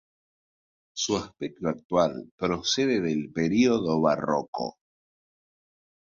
Su aspecto actual procede del periodo barroco.